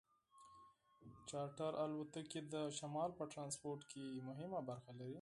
چارټر الوتکې د شمال په ټرانسپورټ کې مهمه برخه لري